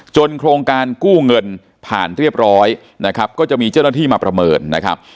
โครงการกู้เงินผ่านเรียบร้อยนะครับก็จะมีเจ้าหน้าที่มาประเมินนะครับ